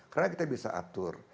karena kita bisa atur